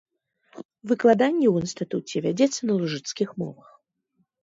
Выкладанне ў інстытуце вядзецца на лужыцкіх мовах.